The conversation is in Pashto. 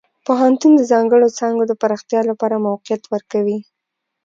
پوهنتون د ځانګړو څانګو د پراختیا لپاره موقعیت ورکوي.